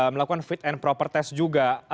melakukan fit and proper test juga